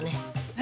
え？